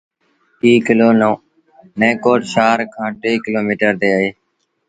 ايٚ ڪلو نئيٚن ڪوٽ شآهر کآݩ ٽي ڪلوميٚٽر تي اهي۔